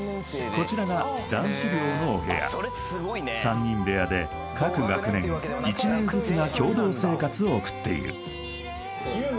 こちらが男子寮のお部屋３人部屋で各学年１名ずつが共同生活を送っている